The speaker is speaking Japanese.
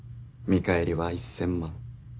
見返りは１０００万